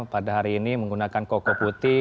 pada hari ini menggunakan koko putih